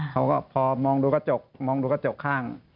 เขาก็พอมองดูกระจกมองดูกระจกข้าง